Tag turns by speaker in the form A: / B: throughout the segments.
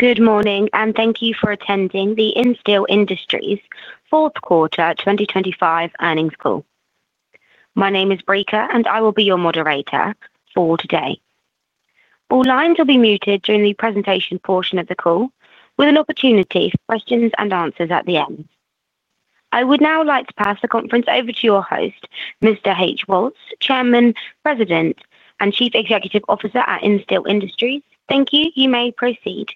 A: Good morning and thank you for attending the Insteel Industries Fourth Quarter 2025 Earnings Call. My name is [Brika] and I will be your moderator for today. All lines will be muted during the presentation portion of the call, with an opportunity for questions-and-answers at the end. I would now like to pass the conference over to your Mr. H, Chairman, President, and Chief Executive Officer at Insteel Industries. Thank you. You may proceed.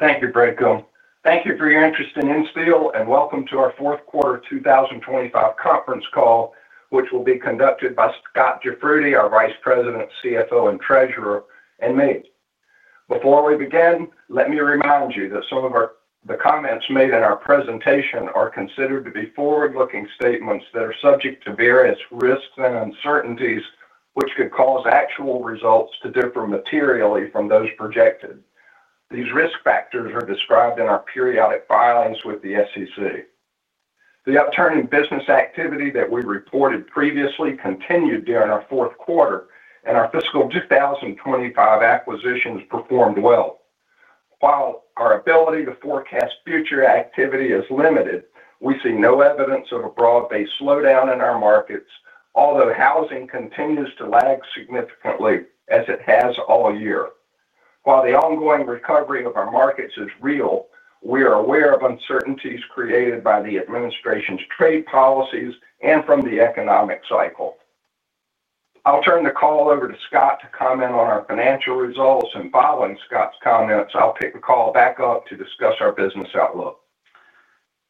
B: Thank you, [Brika] Thank you for your interest in Insteel Industries, and welcome to our fourth quarter 2025 conference call, which will be conducted by Scot Jafroodi, our Vice President, CFO and Treasurer, and me. Before we begin, let me remind you that some of the comments made in our presentation are considered to be forward-looking statements that are subject to various risks and uncertainties, which could cause actual results to differ materially from those projected. These risk factors are described in our periodic filings with the SEC. The upturn in business activity that we reported previously continued during our fourth quarter, and our fiscal 2025 acquisitions performed well. While our ability to forecast future activity is limited, we see no evidence of a broad-based slowdown in our markets, although housing continues to lag significantly as it has all year. While the ongoing recovery of our markets is real, we are aware of uncertainties created by the administration's trade policies and from the economic cycle. I'll turn the call over to Scot to comment on our financial results, and following Scot's comments, I'll pick the call back up to discuss our business outlook.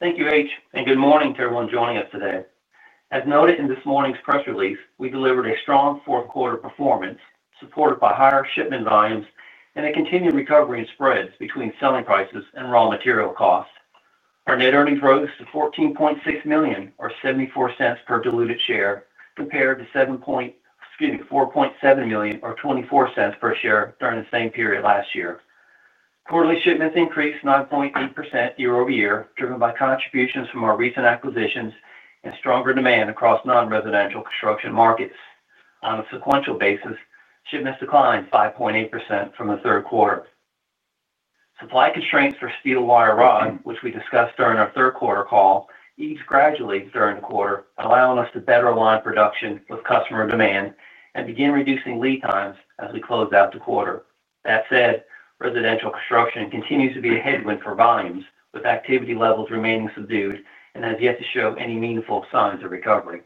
C: Thank you, H. And good morning to everyone joining us today. As noted in this morning's press release, we delivered a strong fourth quarter performance, supported by higher shipment volumes and a continued recovery in spreads between selling prices and raw material costs. Our net earnings rose to $14.6 million, or $0.74 per diluted share, compared to $4.7 million, or $0.24 per diluted share during the same period last year. Quarterly shipments increased 9.8% year-over-year, driven by contributions from our recent acquisitions and stronger demand across non-residential construction markets. On a sequential basis, shipments declined 5.8% from the third quarter. Supply constraints for steel wire rod, which we discussed during our third quarter call, eased gradually during the quarter, allowing us to better align production with customer demand and begin reducing lead times as we close out the quarter. That said, residential construction continues to be a headwind for volumes, with activity levels remaining subdued and has yet to show any meaningful signs of recovery.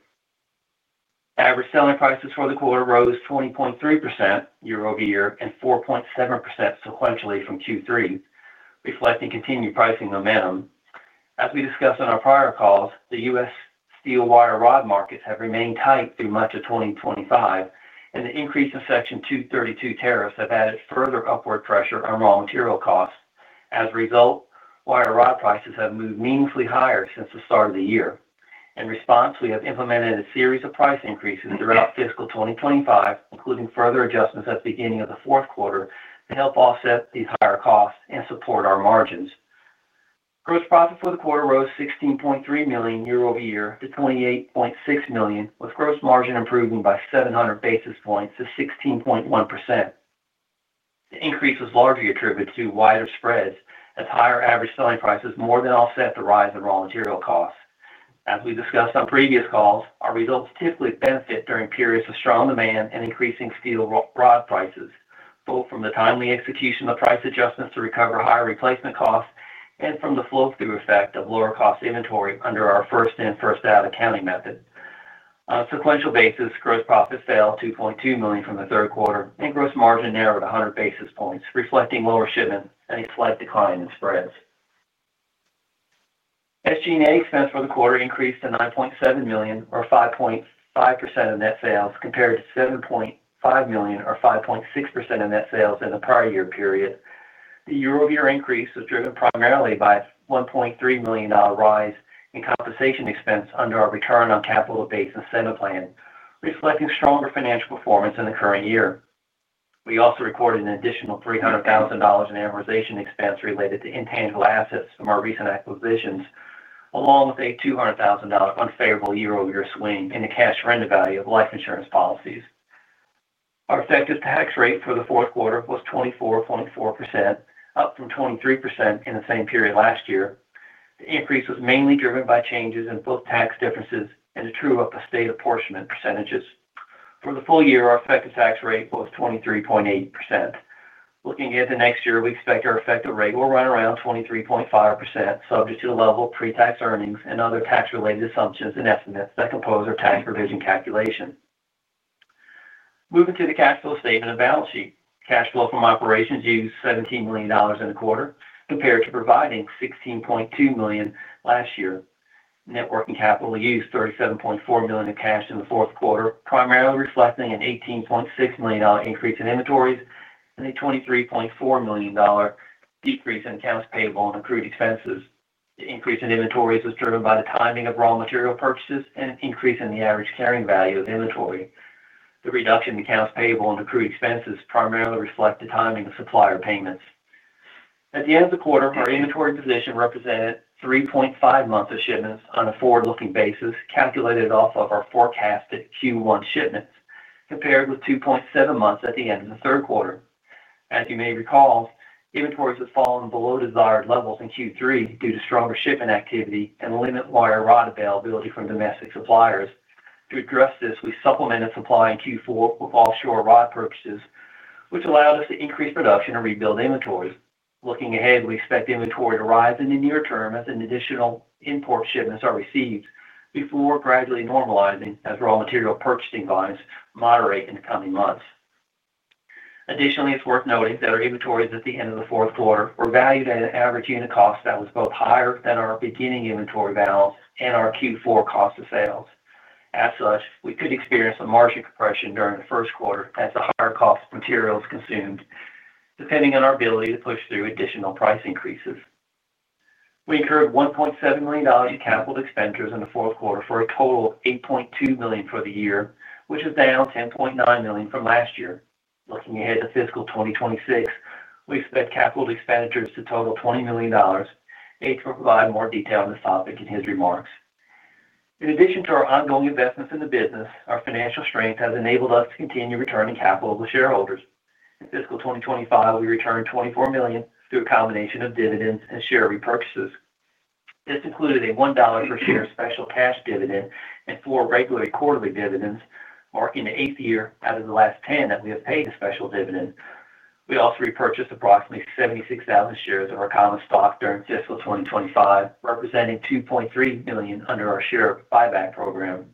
C: Average selling prices for the quarter rose 20.3% year-over-year and 4.7% sequentially from Q3, reflecting continued pricing momentum. As we discussed on our prior calls, the U.S. steel wire rod markets have remained tight through much of 2025, and the increase in Section 232 tariffs have added further upward pressure on raw material costs. As a result, wire rod prices have moved meaningfully higher since the start of the year. In response, we have implemented a series of price increases throughout fiscal 2023, including further adjustments at the beginning of the fourth quarter to help offset these higher costs and support our margins. Gross profit for the quarter rose $16.3 million year-over-year to $28.6 million, with gross margin improving by 700 basis points to 16.1%. The increase was largely attributed to wider spreads, as higher average selling prices more than offset the rise in raw material costs. As we discussed on previous calls, our results typically benefit during periods of strong demand and increasing steel wire rod prices, both from the timely execution of price adjustments to recover higher replacement costs and from the flow-through effect of lower cost inventory under our first in, first out accounting method. On a sequential basis, gross profit fell $2.2 million from the third quarter, and gross margin narrowed 100 basis points, reflecting lower shipments and a slight decline in spreads. SG&A expense for the quarter increased to $9.7 million, or 5.5% of net sales, compared to $7.5 million, or 5.6% of net sales in the prior year period. The year-over-year increase was driven primarily by a $1.3 million rise in compensation expense under our return on capital to base incentive plan, reflecting stronger financial performance in the current year. We also recorded an additional $300,000 in amortization expense related to intangible assets from our recent acquisitions, along with a $200,000 unfavorable year-over-year swing in the cash surrender value of life insurance policies. Our effective tax rate for the fourth quarter was 24.4%, up from 23% in the same period last year. The increase was mainly driven by changes in book tax differences and a true-up of state apportionment percentages. For the full year, our effective tax rate was 23.8%. Looking ahead to next year, we expect our effective rate will run around 23.5%, subject to the level of pre-tax earnings and other tax-related assumptions and estimates that compose our tax provision calculation. Moving to the cash flow statement and balance sheet, cash flow from operations used $17 million in the quarter, compared to providing $16.2 million last year. Net working capital used $37.4 million in cash in the fourth quarter, primarily reflecting an $18.6 million increase in inventories and a $23.4 million decrease in accounts payable and accrued expenses. The increase in inventories was driven by the timing of raw material purchases and an increase in the average carrying value of inventory. The reduction in accounts payable and accrued expenses primarily reflects the timing of supplier payments. At the end of the quarter, our inventory position represented 3.5 months of shipments on a forward-looking basis, calculated off of our forecasted Q1 shipments, compared with 2.7 months at the end of the third quarter. As you may recall, inventories had fallen below desired levels in Q3 due to stronger shipment activity and limited steel wire rod availability from domestic suppliers. To address this, we supplemented supply in Q4 with offshore rod purchases, which allowed us to increase production and rebuild inventories. Looking ahead, we expect inventory to rise in the near term as additional import shipments are received before gradually normalizing as raw material purchasing volumes moderate in the coming months. Additionally, it's worth noting that our inventories at the end of the fourth quarter were valued at an average unit cost that was both higher than our beginning inventory balance and our Q4 cost of sales. As such, we could experience a margin compression during the first quarter as the higher cost materials are consumed, depending on our ability to push through additional price increases. We incurred $1.7 million in capital expenditures in the fourth quarter for a total of $8.2 million for the year, which is down $10.9 million from last year. Looking ahead to fiscal 2026, we expect capital expenditures to total $20 million, H will provide more detail on this topic in his remarks. In addition to our ongoing investments in the business, our financial strength has enabled us to continue returning capital to shareholders. In fiscal 2025, we returned $24 million through a combination of dividends and share repurchases. This included a $1 per share special cash dividend and four regular quarterly dividends, marking the eighth year out of the last 10 that we have paid the special dividend. We also repurchased approximately 76,000 shares of our common stock during fiscal 2025, representing $2.3 [billion] under our share buyback program.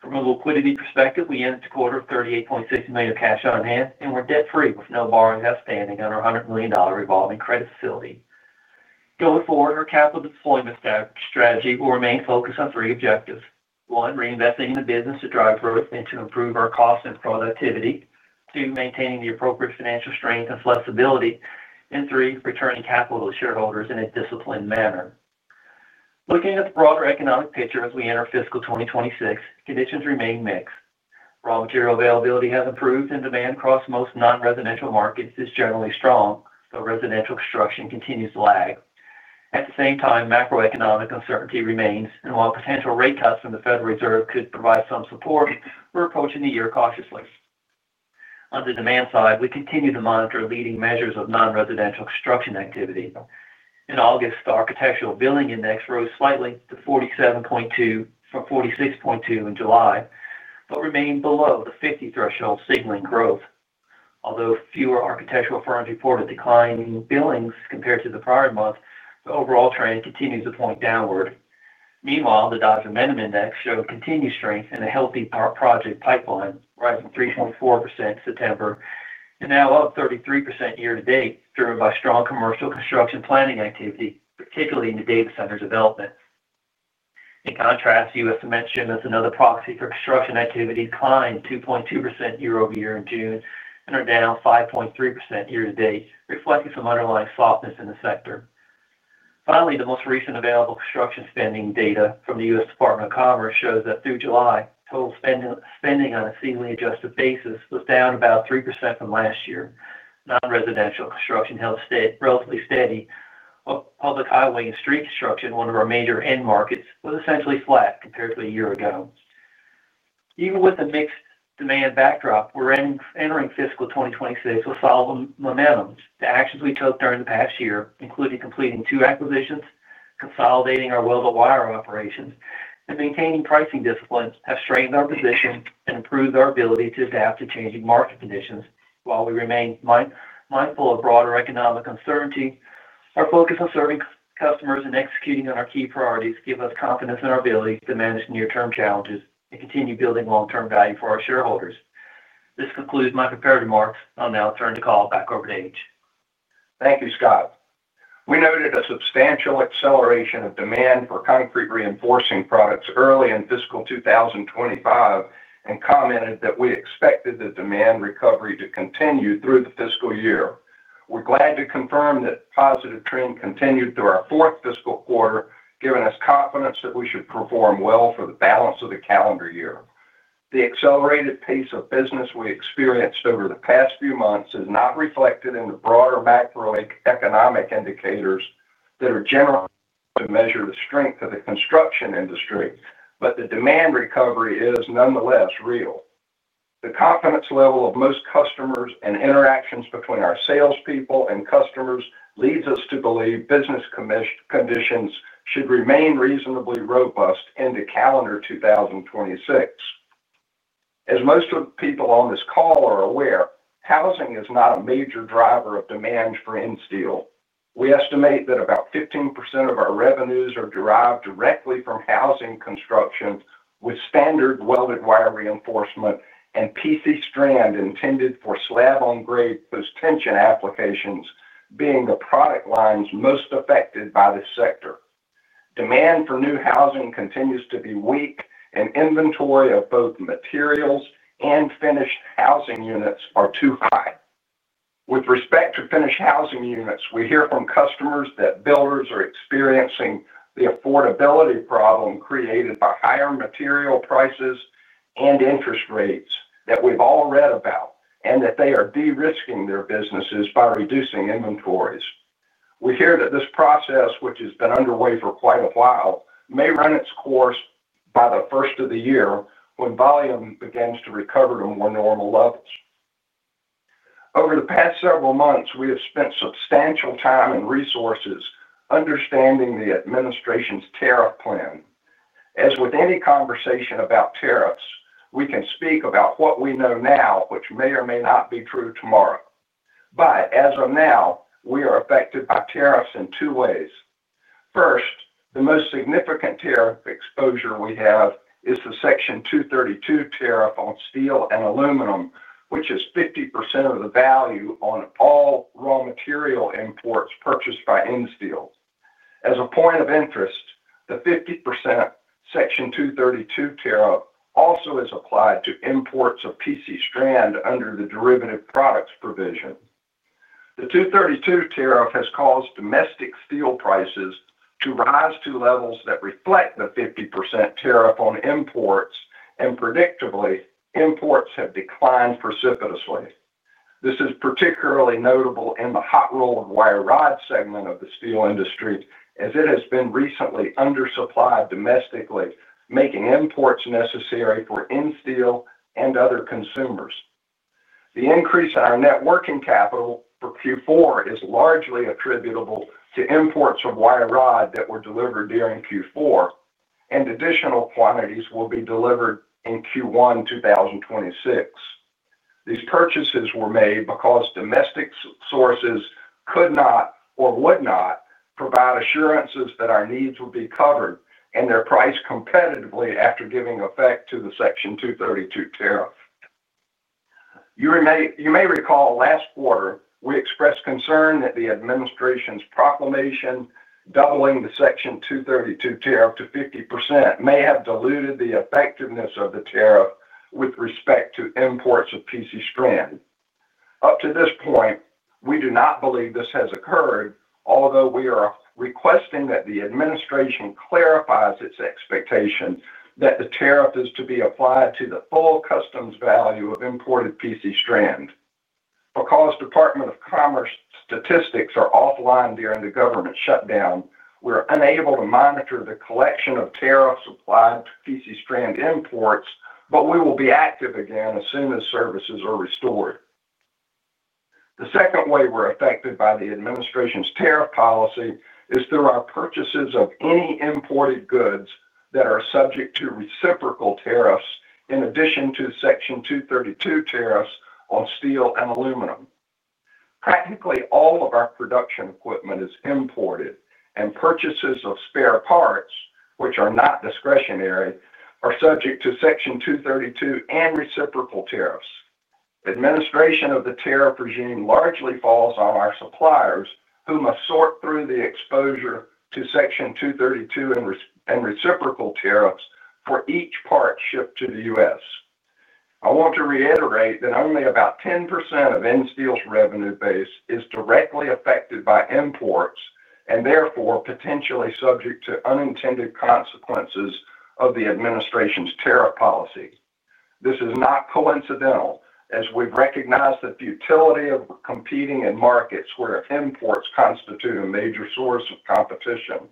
C: From a liquidity perspective, we ended the quarter with $38.6 million cash on hand and were debt-free with no borrowings outstanding on our $100 million revolving credit facility. Going forward, our capital deployment strategy will remain focused on three objectives: one, reinvesting in the business to drive growth and to improve our cost and productivity; two, maintaining the appropriate financial strength and flexibility; and three, returning capital to shareholders in a disciplined manner. Looking at the broader economic picture as we enter fiscal 2026, conditions remain mixed. Raw material availability has improved and demand across most non-residential markets is generally strong, though residential construction continues to lag. At the same time, macroeconomic uncertainty remains, and while potential rate cuts from the Federal Reserve could provide some support, we're approaching the year cautiously. On the demand side, we continue to monitor leading measures of non-residential construction activity. In August, the architectural billing index rose slightly to 47.2 from 46.2 in July, but remained below the 50 threshold signaling growth. Although fewer architectural firms reported declining billings compared to the prior month, the overall trend continues to point downward. Meanwhile, the Dodge Amendment Index showed continued strength and a healthy project pipeline, rising 3.4% in September and now up 33% year-to-date, driven by strong commercial construction planning activity, particularly in the data center development. In contrast, U.S. Dimension, as another proxy for construction activity, declined 2.2% year-over-year in June and are down 5.3% year-to-date, reflecting some underlying softness in the sector. Finally, the most recent available construction spending data from the U.S. Department of Commerce shows that through July, total spending on a seasonally adjusted basis was down about 3% from last year. Non-residential construction held relatively steady, while public highway and street construction, one of our major end markets, was essentially flat compared to a year ago. Even with a mixed demand backdrop, we're entering fiscal 2026 with solid momentum. The actions we took during the past year, including completing two acquisitions, consolidating our welded wire operations, and maintaining pricing discipline, have strengthened our position and improved our ability to adapt to changing market conditions. While we remain mindful of broader economic uncertainty, our focus on serving customers and executing on our key priorities give us confidence in our ability to manage near-term challenges and continue building long-term value for our shareholders. This concludes my prepared remarks. I'll now turn the call back over to H.
B: Thank you, Scot. We noted a substantial acceleration of demand for concrete reinforcing products early in fiscal 2025 and commented that we expected the demand recovery to continue through the fiscal year. We're glad to confirm that the positive trend continued through our fourth fiscal quarter, giving us confidence that we should perform well for the balance of the calendar year. The accelerated pace of business we experienced over the past few months is not reflected in the broader macroeconomic indicators that are generally measured to measure the strength of the construction industry, but the demand recovery is nonetheless real. The confidence level of most customers and interactions between our salespeople and customers leads us to believe business conditions should remain reasonably robust into calendar 2026. As most of the people on this call are aware, housing is not a major driver of demand for Insteel. We estimate that about 15% of our revenues are derived directly from housing construction, with standard welded wire reinforcement and PC strand intended for slab-on-grade post-tension applications being the product lines most affected by this sector. Demand for new housing continues to be weak, and inventory of both materials and finished housing units is too high. With respect to finished housing units, we hear from customers that builders are experiencing the affordability problem created by higher material prices and interest rates that we've all read about, and that they are de-risking their businesses by reducing inventories. We hear that this process, which has been underway for quite a while, may run its course by the first of the year when volume begins to recover to more normal levels. Over the past several months, we have spent substantial time and resources understanding the administration's tariff plan. As with any conversation about tariffs, we can speak about what we know now, which may or may not be true tomorrow. As of now, we are affected by tariffs in two ways. First, the most significant tariff exposure we have is the Section 232 tariff on steel and aluminum, which is 50% of the value on all raw material imports purchased by Insteel. As a point of interest, the 50% Section 232 tariff also is applied to imports of PC strand under the derivative products provision. The 232 tariff has caused domestic steel prices to rise to levels that reflect the 50% tariff on imports, and predictably, imports have declined precipitously. This is particularly notable in the hot rolled wire rod segment of the steel industry, as it has been recently undersupplied domestically, making imports necessary for Insteel and other consumers. The increase in our networking capital for Q4 is largely attributable to imports of wire rod that were delivered during Q4, and additional quantities will be delivered in Q1 2026. These purchases were made because domestic sources could not or would not provide assurances that our needs would be covered and their price competitively after giving effect to the Section 232 tariff. You may recall last quarter, we expressed concern that the administration's proclamation doubling the Section 232 tariff to 50% may have diluted the effectiveness of the tariff with respect to imports of PC strand. Up to this point, we do not believe this has occurred, although we are requesting that the administration clarifies its expectation that the tariff is to be applied to the full customs value of imported PC strand. Because the Department of Commerce statistics are offline during the government shutdown, we are unable to monitor the collection of tariffs applied to PC strand imports, but we will be active again as soon as services are restored. The second way we're affected by the administration's tariff policy is through our purchases of any imported goods that are subject to reciprocal tariffs, in addition to Section 232 tariffs on steel and aluminum. Practically all of our production equipment is imported, and purchases of spare parts, which are not discretionary, are subject to Section 232 and reciprocal tariffs. The administration of the tariff regime largely falls on our suppliers, who must sort through the exposure to Section 232 and reciprocal tariffs for each part shipped to the U.S. I want to reiterate that only about 10% of Insteel's revenue base is directly affected by imports and therefore potentially subject to unintended consequences of the administration's tariff policy. This is not coincidental, as we've recognized the futility of competing in markets where imports constitute a major source of competition.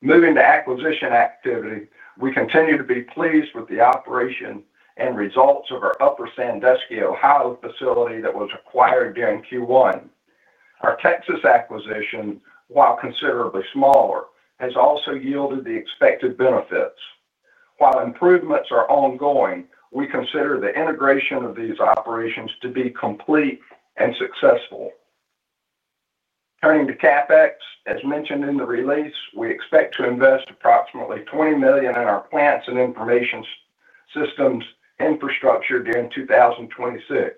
B: Moving to acquisition activity, we continue to be pleased with the operation and results of our Upper Sandusky, Ohio facility that was acquired during Q1. Our Texas acquisition, while considerably smaller, has also yielded the expected benefits. While improvements are ongoing, we consider the integration of these operations to be complete and successful. Turning to CapEx, as mentioned in the release, we expect to invest approximately $20 million in our plants and information systems infrastructure during 2026.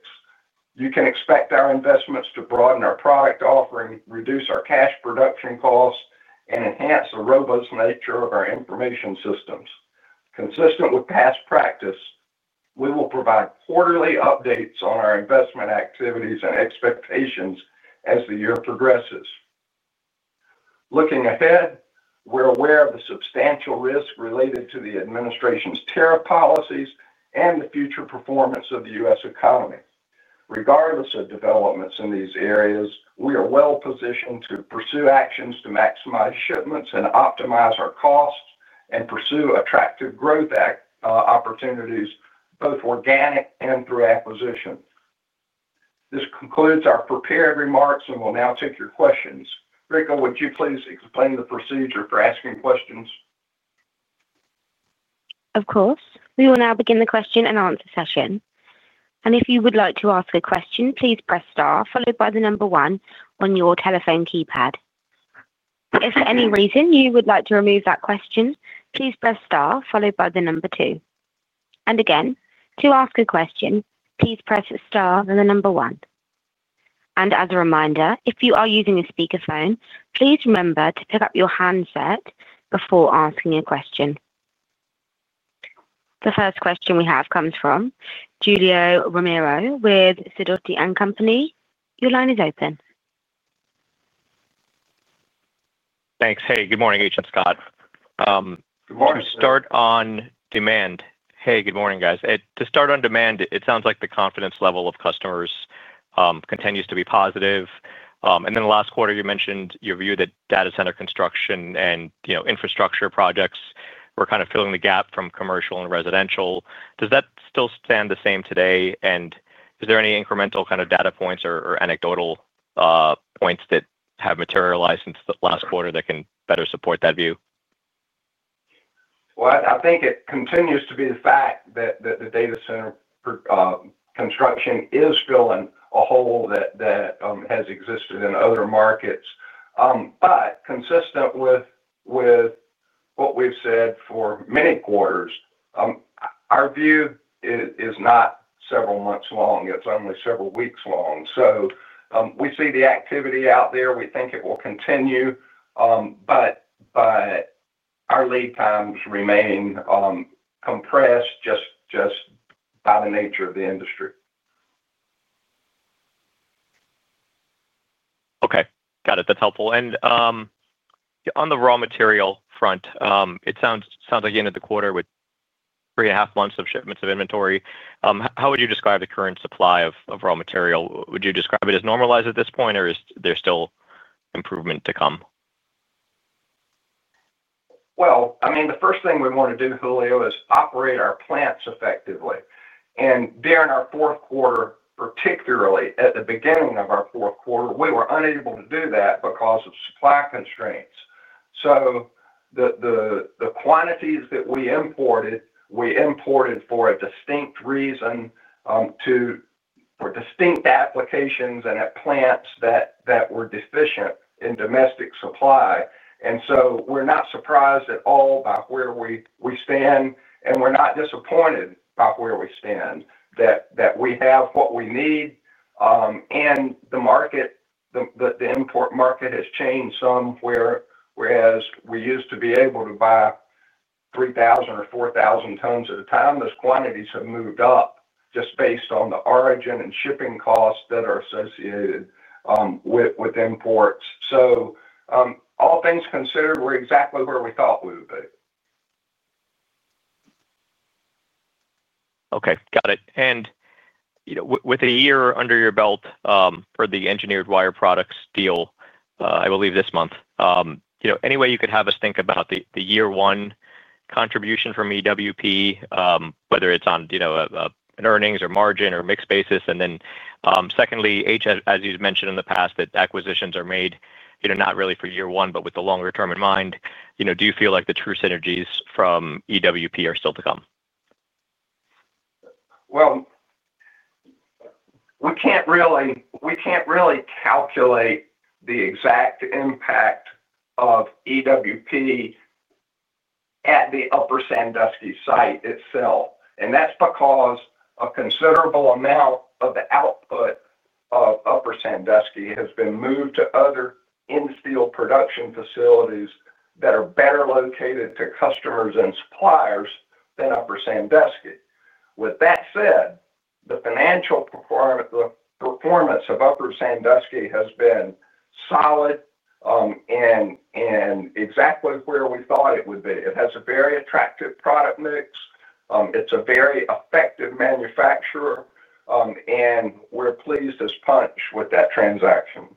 B: You can expect our investments to broaden our product offering, reduce our cash production costs, and enhance the robust nature of our information systems. Consistent with past practice, we will provide quarterly updates on our investment activities and expectations as the year progresses. Looking ahead, we're aware of the substantial risk related to the administration's tariff policies and the future performance of the U.S. economy. Regardless of developments in these areas, we are well positioned to pursue actions to maximize shipments and optimize our costs and pursue attractive growth opportunities, both organic and through acquisition. This concludes our prepared remarks, and we'll now take your questions. [Brika] would you please explain the procedure for asking questions?
A: Of course. We will now begin the question-and-answer session. If you would like to ask a question, please press star followed by the number one on your telephone keypad. If for any reason you would like to remove that question, please press star followed by the number two. To ask a question, please press star and the number one. As a reminder, if you are using a speakerphone, please remember to pick up your handset before asking a question. The first question we have comes from Julio Romero with Sidoti & Company. Your line is open.
D: Thanks. Hey, good morning, H and Scot.
B: Good morning.
D: Good morning, guys. To start on demand, it sounds like the confidence level of customers continues to be positive. In the last quarter, you mentioned your view that data center construction and infrastructure projects were kind of filling the gap from commercial and residential. Does that still stand the same today? Is there any incremental kind of data points or anecdotal points that have materialized since the last quarter that can better support that view?
B: I think it continues to be the fact that the data center construction is filling a hole that has existed in other markets. Consistent with what we've said for many quarters, our view is not several months long. It's only several weeks long. We see the activity out there and we think it will continue. Our lead times remain compressed just by the nature of the industry.
D: Okay. Got it. That's helpful. On the raw material front, it sounds like the end of the quarter with 3.5 months of shipments of inventory. How would you describe the current supply of raw material? Would you describe it as normalized at this point, or is there still improvement to come?
B: The first thing we want to do, Julio, is operate our plants effectively. During our fourth quarter, particularly at the beginning of our fourth quarter, we were unable to do that because of supply constraints. The quantities that we imported, we imported for a distinct reason, for distinct applications and at plants that were deficient in domestic supply. We are not surprised at all by where we stand, and we are not disappointed by where we stand, that we have what we need. The import market has changed somewhere, whereas we used to be able to buy 3,000 or 4,000 tons at a time. Those quantities have moved up just based on the origin and shipping costs that are associated with imports. All things considered, we are exactly where we thought we would be.
D: Okay. Got it. With a year under your belt for the Engineered Wire Products deal, I believe this month, any way you could have us think about the year-one contribution from EWP, whether it's on an earnings or margin or mixed basis? Secondly, H, as you've mentioned in the past, that acquisitions are made not really for year one, but with the longer term in mind, do you feel like the true synergies from EWP are still to come?
B: We can't really calculate the exact impact of EWP at the Upper Sandusky site itself because a considerable amount of the output of Upper Sandusky has been moved to other Insteel production facilities that are better located to customers and suppliers than Upper Sandusky. That said, the financial performance of Upper Sandusky has been solid and exactly where we thought it would be. It has a very attractive product mix. It's a very effective manufacturer, and we're pleased as punch with that transaction.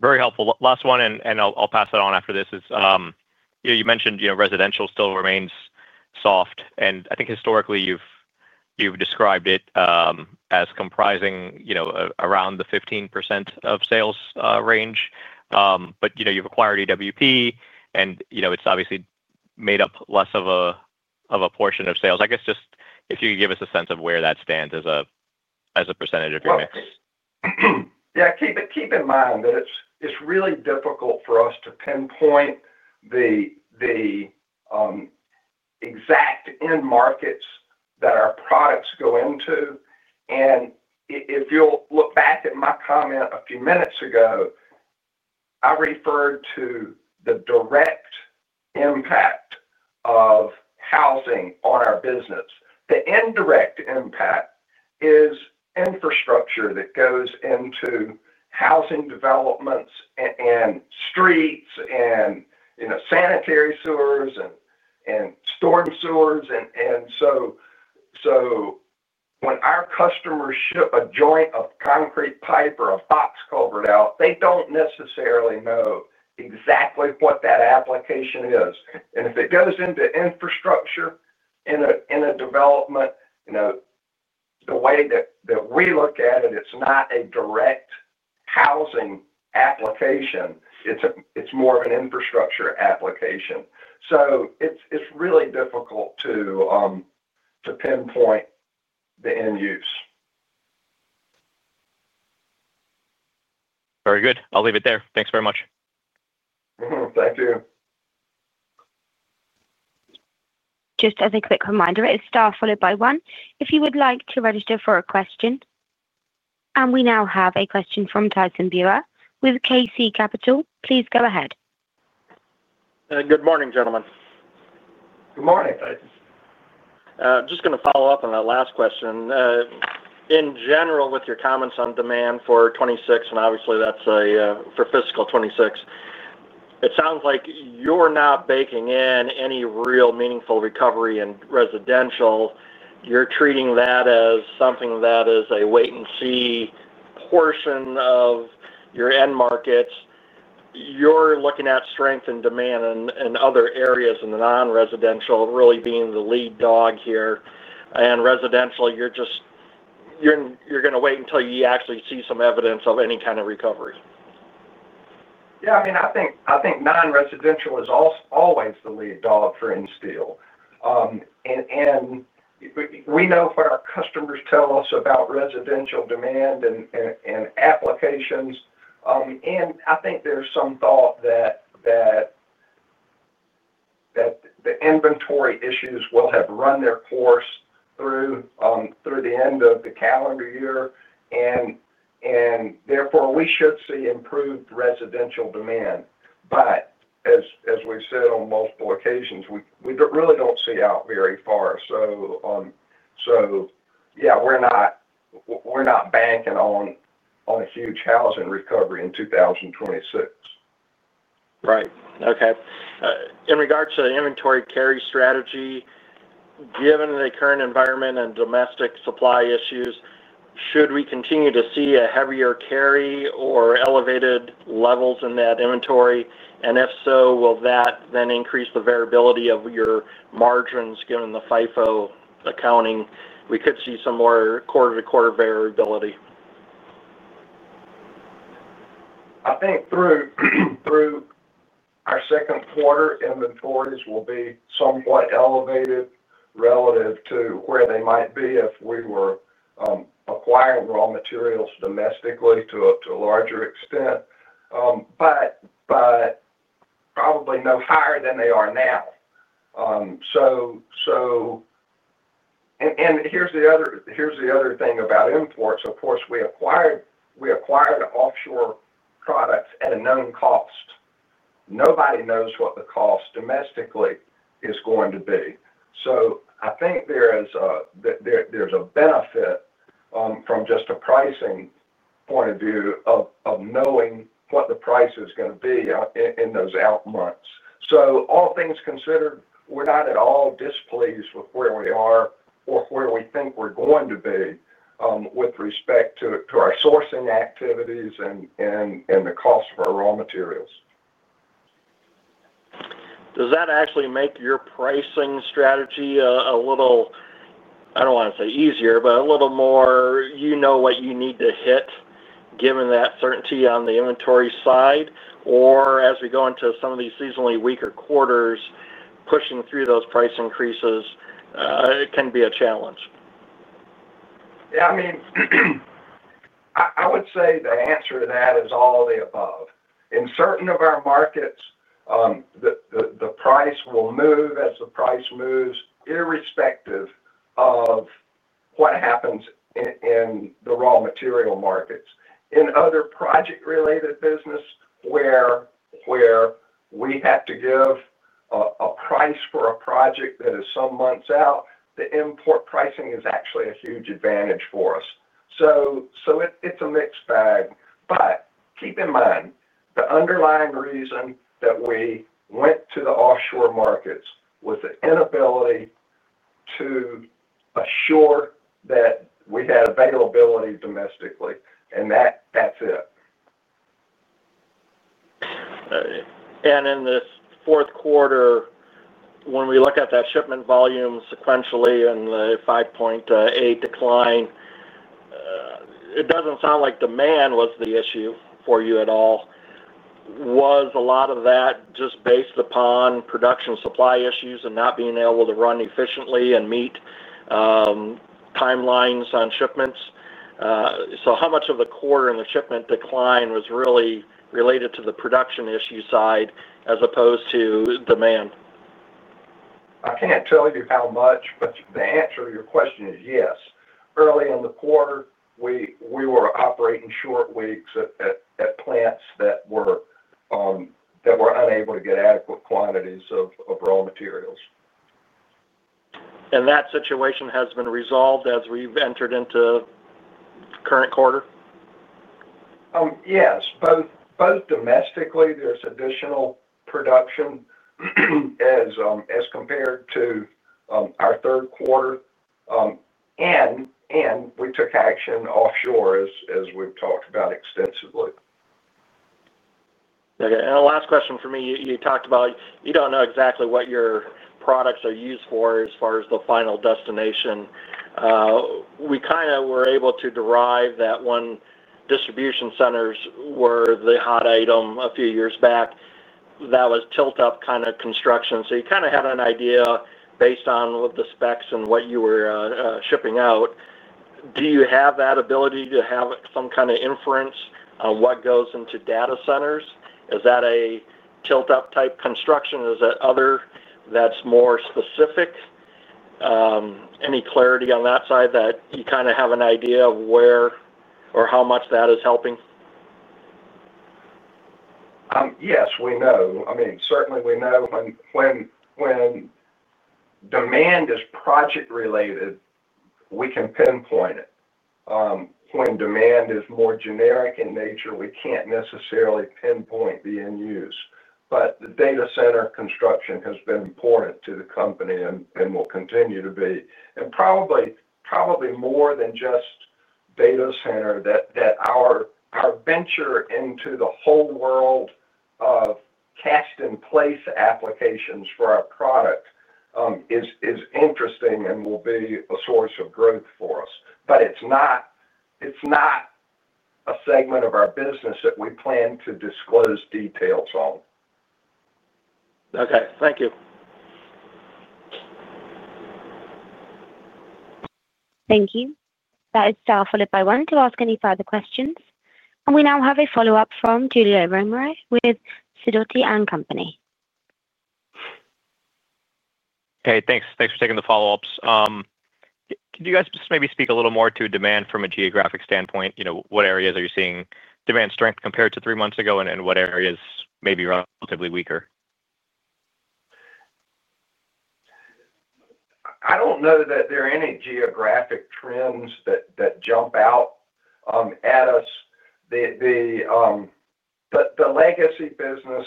D: Very helpful. Last one, I'll pass that on after this. You mentioned residential still remains soft. I think historically, you've described it as comprising around the 15% of sales range. You've acquired EWP, and it's obviously made up less of a portion of sales. I guess just if you could give us a sense of where that stands as a percentage of your mix.
B: Yeah. Keep in mind that it's really difficult for us to pinpoint the exact end markets that our products go into. If you'll look back at my comment a few minutes ago, I referred to the direct impact of housing on our business. The indirect impact is infrastructure that goes into housing developments, streets, sanitary sewers, and storage sewers. When our customers ship a joint of concrete pipe or a box culvert out, they don't necessarily know exactly what that application is. If it goes into infrastructure in a development, the way that we look at it, it's not a direct housing application. It's more of an infrastructure application. It's really difficult to pinpoint the end use.
D: Very good. I'll leave it there. Thanks very much.
B: Thank you.
A: Just as a quick reminder, it's star followed by one if you would like to register for a question, and we now have a question from Tyson Bauer with KC Capital. Please go ahead.
E: Good morning, gentlemen.
B: Good morning.
E: I'm just going to follow up on that last question. In general, with your comments on demand for 2026, and obviously that's for fiscal 2026, it sounds like you're not baking in any real meaningful recovery in residential. You're treating that as something that is a wait-and-see portion of your end markets. You're looking at strength in demand in other areas, with non-residential really being the lead dog here. Residential, you're going to wait until you actually see some evidence of any kind of recovery.
B: Yeah. I mean, I think non-residential is always the lead dog for Insteel. We know what our customers tell us about residential demand and applications. I think there's some thought that the inventory issues will have run their course through the end of the calendar year. Therefore, we should see improved residential demand. As we've said on multiple occasions, we really don't see out very far. Yeah, we're not banking on a huge housing recovery in 2026.
E: Right. Okay. In regards to the inventory carry strategy, given the current environment and domestic supply issues, should we continue to see a heavier carry or elevated levels in that inventory? If so, will that then increase the variability of your margins given the FIFO accounting? We could see some more quarter-to-quarter variability.
B: I think through our second quarter, inventories will be somewhat elevated relative to where they might be if we were acquiring raw materials domestically to a larger extent, but probably no higher than they are now. Here's the other thing about imports. Of course, we acquired offshore products at a known cost. Nobody knows what the cost domestically is going to be. I think there's a benefit from just a pricing point of view of knowing what the price is going to be in those out months. All things considered, we're not at all displeased with where we are or where we think we're going to be with respect to our sourcing activities and the cost of our raw materials.
E: Does that actually make your pricing strategy a little, I don't want to say easier, but a little more, you know what you need to hit, given that certainty on the inventory side? As we go into some of these seasonally weaker quarters, pushing through those price increases can be a challenge.
B: Yeah, I mean, I would say the answer to that is all the above. In certain of our markets, the price will move as the price moves, irrespective of what happens in the raw material markets. In other project-related businesses where we have to give a price for a project that is some months out, the import pricing is actually a huge advantage for us. It is a mixed bag. Keep in mind, the underlying reason that we went to the offshore markets was the inability to assure that we had availability domestically. That's it.
E: In this fourth quarter, when we look at that shipment volume sequentially and the 5.8% decline, it doesn't sound like demand was the issue for you at all. Was a lot of that just based upon production supply issues and not being able to run efficiently and meet timelines on shipments? How much of the quarter and the shipment decline was really related to the production issue side as opposed to demand?
B: I can't tell you how much, but the answer to your question is yes. Early in the quarter, we were operating short weeks at plants that were unable to get adequate quantities of raw materials.
E: Has that situation been resolved as we've entered into the current quarter?
B: Oh, yes. Both domestically, there's additional production as compared to our third quarter, and we took action offshore, as we've talked about extensively.
E: Okay. The last question for me, you talked about you don't know exactly what your products are used for as far as the final destination. We kind of were able to derive that when distribution centers were the hot item a few years back, that was tilt-up kind of construction. You kind of had an idea based on what the specs and what you were shipping out. Do you have that ability to have some kind of inference on what goes into data centers? Is that a tilt-up type construction? Is it other that's more specific? Any clarity on that side that you kind of have an idea of where or how much that is helping?
B: Yes, we know. I mean, certainly, we know when demand is project-related, we can pinpoint it. When demand is more generic in nature, we can't necessarily pinpoint the end use. The data center construction has been important to the company and will continue to be, and probably more than just data center, that our venture into the whole world of cast-in-place applications for our product is interesting and will be a source of growth for us. It's not a segment of our business that we plan to disclose details on.
E: Okay, thank you.
A: Thank you. That is powerful. If I wanted to ask any further questions, we now have a follow-up from Julio Romero with Sidoti & Company.
D: Thanks for taking the follow-ups. Can you guys just maybe speak a little more to demand from a geographic standpoint? You know, what areas are you seeing demand strength compared to three months ago and what areas may be relatively weaker?
B: I don't know that there are any geographic trends that jump out at us. The legacy business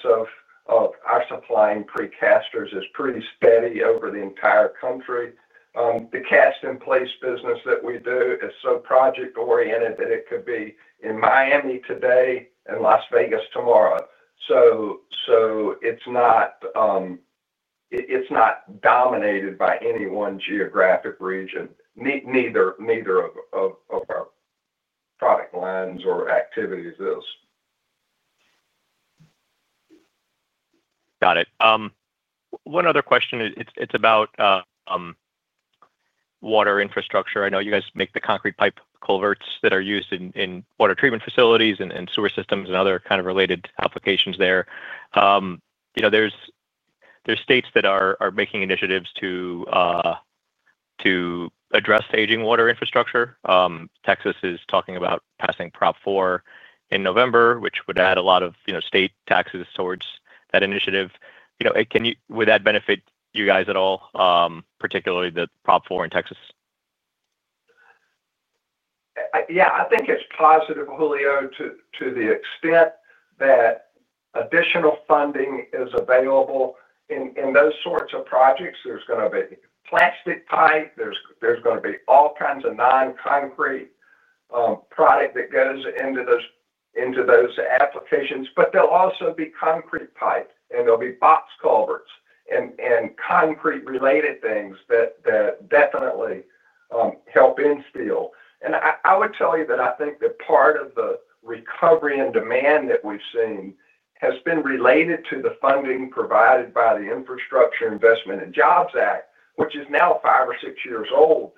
B: of our supplying precasters is pretty steady over the entire country. The cast-in-place business that we do is so project-oriented that it could be in Miami today and Las Vegas tomorrow. It is not dominated by any one geographic region. Neither of our product lines or activities is.
D: Got it. One other question, it's about water infrastructure. I know you guys make the concrete pipe culverts that are used in water treatment facilities and sewer systems and other kind of related applications there. There are states that are making initiatives to address staging water infrastructure. Texas is talking about passing Prop 4 in November, which would add a lot of state taxes towards that initiative. Can you, would that benefit you guys at all, particularly the Prop 4 in Texas?
B: Yeah. I think it's positive, Julio, to the extent that additional funding is available in those sorts of projects. There's going to be plastic pipe. There's going to be all kinds of non-concrete product that goes into those applications. There'll also be concrete pipe, and there'll be box culverts and concrete-related things that definitely help in steel. I would tell you that I think that part of the recovery in demand that we've seen has been related to the funding provided by the Infrastructure Investment and Jobs Act, which is now five or six years old.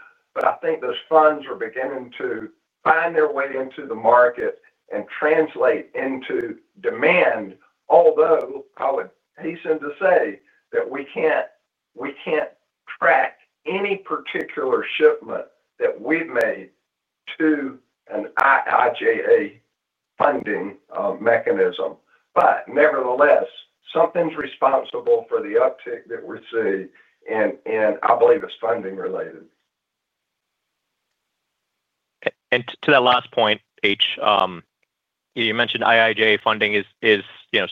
B: I think those funds are beginning to find their way into the market and translate into demand, although I would hasten to say that we can't track any particular shipment that we've made to an IIJA funding mechanism. Nevertheless, something's responsible for the uptick that we see, and I believe it's funding-related.
D: that last H, you mentioned IIJA funding is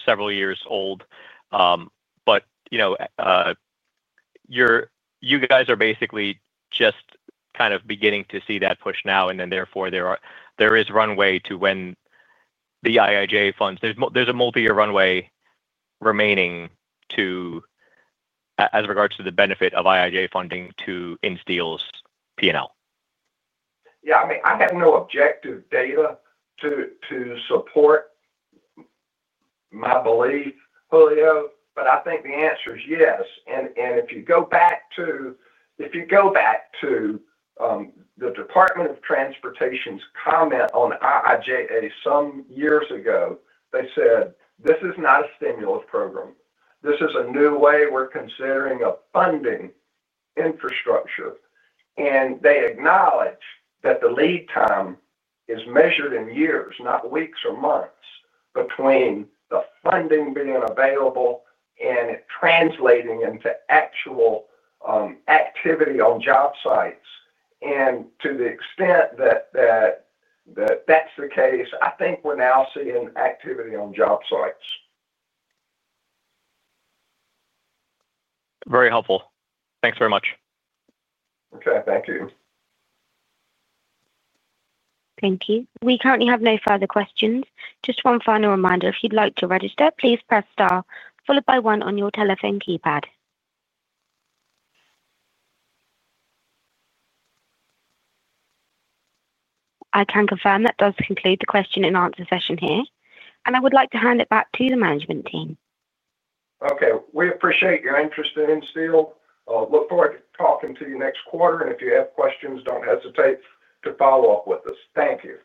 D: several years old. You guys are basically just kind of beginning to see that push now, and therefore, there is runway to when the IIJA funds. There's a multi-year runway remaining as regards to the benefit of IIJA funding to Insteel P&L.
B: Yeah. I mean, I have no objective data to support my belief, Julio, but I think the answer is yes. If you go back to the Department of Transportation's comment on the IIJA some years ago, they said, "This is not a stimulus program. This is a new way we're considering funding infrastructure." They acknowledge that the lead time is measured in years, not weeks or months, between the funding being available and it translating into actual activity on job sites. To the extent that that's the case, I think we're now seeing activity on job sites.
D: Very helpful. Thanks very much.
B: Okay, thank you.
A: Thank you. We currently have no further questions. Just one final reminder: if you'd like to register, please press star followed by one on your telephone keypad. I can confirm that does conclude the question-and-answer session here, and I would like to hand it back to the management team.
B: Okay. We appreciate your interest in Insteel. We look forward to talking to you next quarter. If you have questions, don't hesitate to follow up with us. Thank you.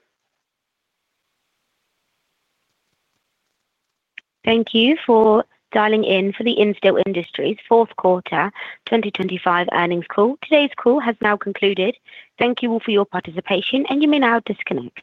A: Thank you for dialing in for the Insteel Industries fourth quarter 2025 earnings call. Today's call has now concluded. Thank you all for your participation, and you may now disconnect.